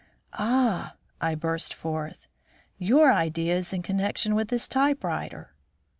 "Ah!" I burst forth. "Your idea is in connection with this typewriter!"